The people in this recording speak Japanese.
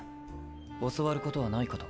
教わることは無いかと。